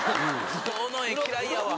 伊藤の絵嫌いやわ。